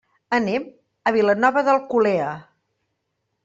Anem a Vilanova d'Alcolea.